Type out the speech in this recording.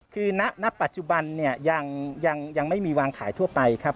คือณปัจจุบันเนี่ยยังไม่มีวางขายทั่วไปครับ